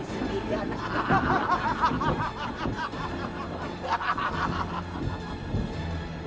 assalamualaikum warahmatullahi wabarakatuh